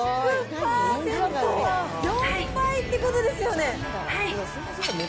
４倍ってことですよね。